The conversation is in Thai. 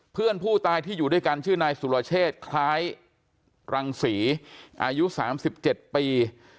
เพื่อนผู้ตายที่อยู่ด้วยกันชื่อนายสุรเชษคล้ายรังศรีอายุ๓๗ปี